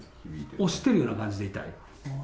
押してるような感じで痛い？